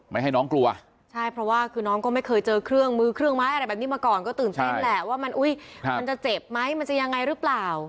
ไม่ให้น้องกลัวใช่เพราะว่าคือน้องก็ไม่เคยเจอเครื่องมือเครื่องไม้อะไรแบบนี้มาก่อนก็ตื่นเต้นแหละว่ามันอุ้ยมันจะเจ็บไหมมันจะยังไงหรือเปล่า